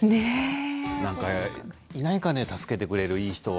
なんかいないかね助けてくれるいい人は。